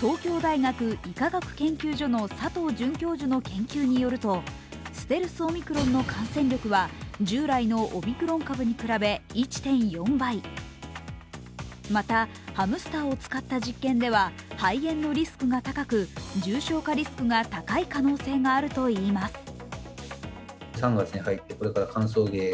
東京大学医科学研究所の佐藤准教授の研究によるとステルスオミクロンの感染力は従来のオミクロン株に比べ１．４倍また、ハムスターを使った実験では肺炎のリスクが高く、重症化リスクが高い可能性があるといいます。